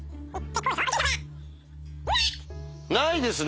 ないですね！